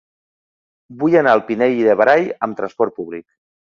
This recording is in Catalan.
Vull anar al Pinell de Brai amb trasport públic.